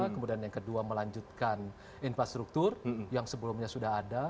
kemudian yang kedua melanjutkan infrastruktur yang sebelumnya sudah ada